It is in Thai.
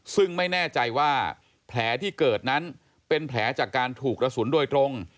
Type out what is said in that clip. ซึ่งไม่แน่ใจว่าแผลที่เกิดนั้นเป็นแผลจากการถูกกระสุนโดยตรง